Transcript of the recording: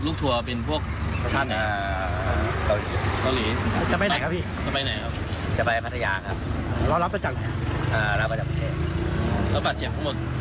แล้วก็ปลาเจ็บทั้งหมด